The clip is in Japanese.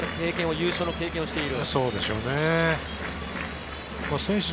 優勝の経験をしている。